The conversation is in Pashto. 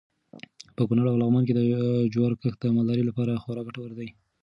په کونړ او لغمان کې د جوارو کښت د مالدارۍ لپاره خورا ګټور دی.